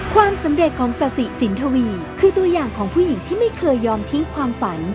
ความสำเร็จของสาสิสินทวีคือตัวอย่างของผู้หญิงที่ไม่เคยยอมทิ้งความฝัน